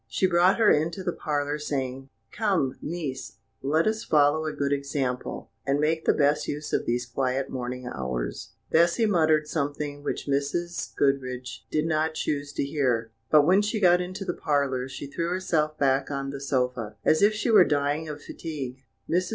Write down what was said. She brought her into the parlour, saying: "Come, niece, let us follow a good example, and make the best use of these quiet morning hours." Bessy muttered something which Mrs. Goodriche did not choose to hear, but when she got into the parlour, she threw herself back on the sofa as if she were dying of fatigue. Mrs.